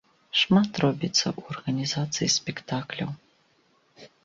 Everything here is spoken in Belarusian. Шмат робіцца ў арганізацыі спектакляў.